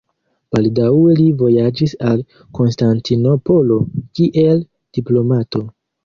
Baldaŭe li vojaĝis al Konstantinopolo, kiel diplomato.